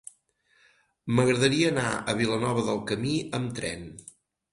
M'agradaria anar a Vilanova del Camí amb tren.